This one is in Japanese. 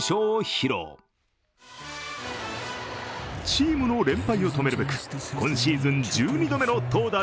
チームの連敗を止めるべく今シーズン１２度目の投打